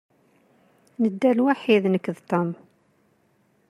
Nedda lwaḥid nekk d Tom.